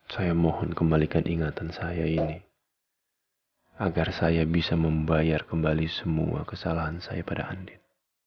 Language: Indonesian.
saya mohon kembalikan ingatan saya ini agar saya bisa membayar kembali semua kesalahan saya pada adit